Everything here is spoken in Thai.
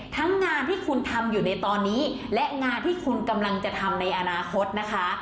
ทั้งงานที่คุณทำอยู่ในตอนนี้และงานที่คุณกำลังจะทำในอนาคตนะคะ